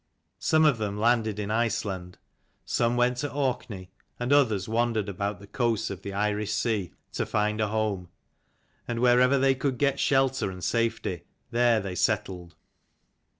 Some of them landed in Iceland ; some went to Orkney, and others wandered about the coasts of the Irish Sea to find a home ; and wherever they could get shelter and safety, there they settled.